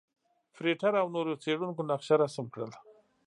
فرېټر او نورو څېړونکو نقشه رسم کړل.